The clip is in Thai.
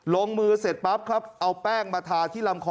ลงมือเสร็จปั๊บครับเอาแป้งมาทาที่ลำคอ